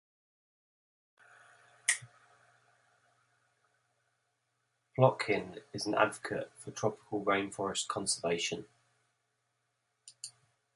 Plotkin is an advocate for tropical rainforest conservation.